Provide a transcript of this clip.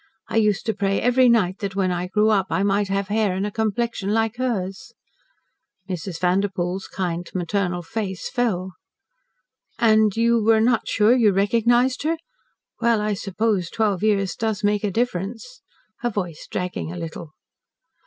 I used to pray every night that when I grew up I might have hair and a complexion like hers." Mrs. Vanderpoel's kind, maternal face fell. "And you were not sure you recognised her? Well, I suppose twelve years does make a difference," her voice dragging a little.